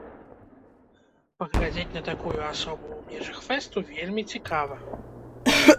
Паглядзець на такую асобу ў межах фэсту вельмі цікава.